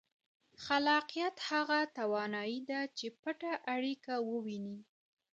خلاقیت هغه توانایي ده چې پټه اړیکه ووینئ.